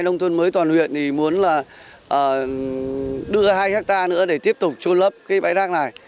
nông thôn mới toàn huyện thì muốn là đưa hai hectare nữa để tiếp tục trôn lấp cái bãi rác này